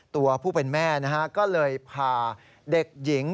ตัวผู้เป็นแม่นะฮะก็เลยพาเด็กหญิง